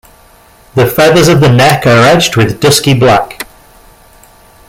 The feathers of the neck are edged with dusky black.